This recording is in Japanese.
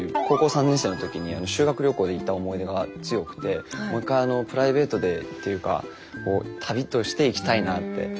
高校３年生の時に修学旅行で行った思い出が強くてもう一回プライベートでっていうか旅として行きたいなって。